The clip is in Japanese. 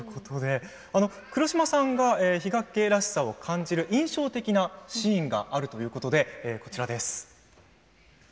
黒島さんが比嘉家らしさを感じる印象的なシーンがあるということでこちらです。